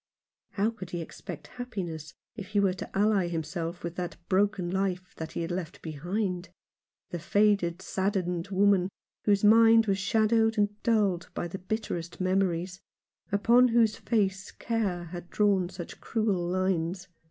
How could he expect happiness if he were to ally himself with that broken life he had left behind, the faded, saddened woman, whose mind was shadowed and dulled by bitterest memories, upon whose face care had drawn such cruel lines